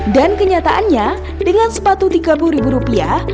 dan kenyataannya dengan sepatu tiga puluh ribu rupiah